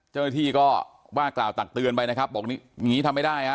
เจ้าหน้าที่ก็ว่ากล่าวตักเตือนไปนะครับบอกอย่างนี้ทำไม่ได้ฮะ